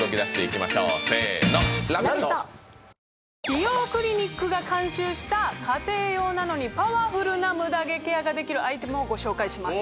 美容クリニックが監修した家庭用なのにパワフルなムダ毛ケアができるアイテムをご紹介します